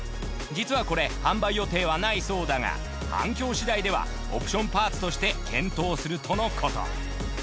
実はこれ販売予定はないそうだが反響しだいではオプションパーツとして検討するとのこと。